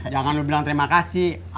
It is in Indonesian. jangan lo bilang terima kasih